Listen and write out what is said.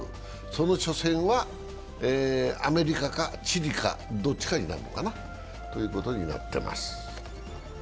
その初戦はアメリカかチリかどっちかになるのかなということになってます。